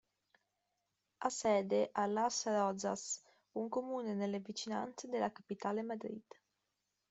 Ha sede a Las Rozas, un comune nelle vicinanze della capitale Madrid.